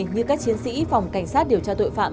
như các chiến sĩ phòng cảnh sát điều tra tội phạm